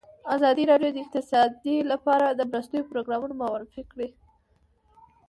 ازادي راډیو د اقتصاد لپاره د مرستو پروګرامونه معرفي کړي.